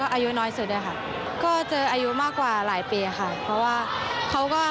กลับมาที่รีบอาทิตย์เวลาเริ่มมีตั้งความรับรู้